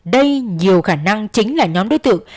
đây nhiều khả năng chính là nhóm đối tượng